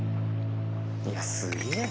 いやすげえな。